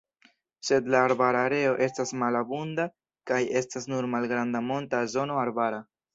Sed la arbara areo estas malabunda kaj estas nur malgranda monta zono arbara.